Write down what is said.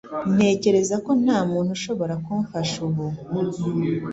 Ntekereza ko nta muntu ushobora kumfasha ubu